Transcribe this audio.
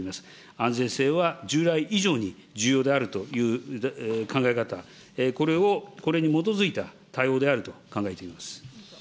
安全性は従来以上に重要であるという考え方、これを、これに基づいた対応であると考えています。